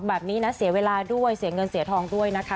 แบบนี้นะเสียเวลาด้วยเสียเงินเสียทองด้วยนะคะ